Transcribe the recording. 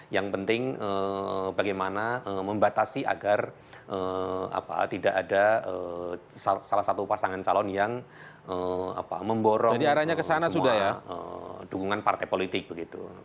yang penting bagaimana membatasi agar tidak ada salah satu pasangan calon yang memborong dukungan partai politik begitu